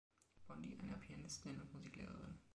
Bondy, einer Pianistin und Musiklehrerin.